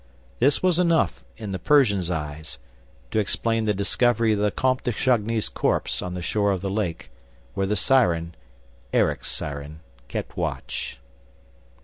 This was enough, in the Persian's eyes, to explain the discovery of the Comte de Chagny's corpse on the shore of the lake, where the siren, Erik's siren, kept watch.